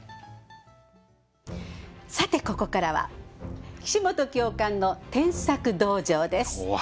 さてここからは「岸本教官の添削道場」です。